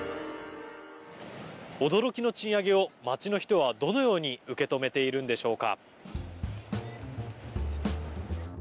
驚きの賃上げを街の人はどのように受け止めているんでしょうか。